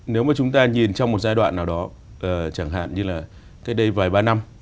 nếu mà chúng ta nhìn trong một giai đoạn nào đó chẳng hạn như là cách đây vài ba năm